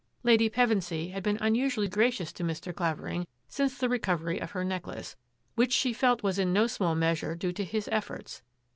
Lady Pevensy had been unusually gracious to Mr. Clavering since the recovery of her necklace, which she felt was in no small measure due to his efforts.